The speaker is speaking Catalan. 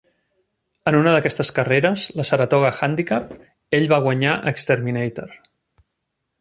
En una d'aquestes carreres, la Saratoga Handicap, ell va guanyar a Exterminator.